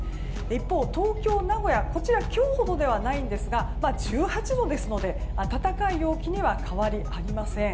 一方、東京、名古屋は今日ほどではないんですが１８度ですので暖かい陽気には変わりありません。